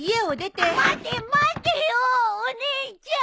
待って待ってよお姉ちゃん！